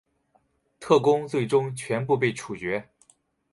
特工最终全部被处决。